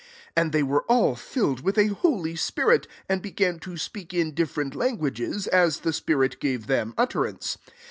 4 And they were all filled with a holy spirit: and began to speak in different languages, as the spirit gave them utter ance.